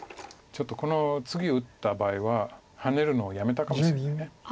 ちょっとこのツギ打った場合はハネるのをやめたかもしれない。